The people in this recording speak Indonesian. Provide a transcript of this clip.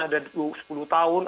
ada sepuluh tahun